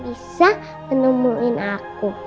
bisa menemuin aku